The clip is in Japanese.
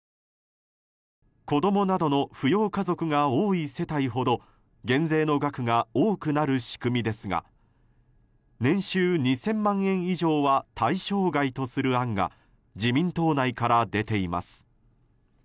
子供などの扶養家族が多い世帯ほど減税の額が多くなる仕組みですが年収２０００万円以上は対象外とする案が自民党内から出ています。